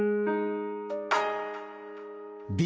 Ｂ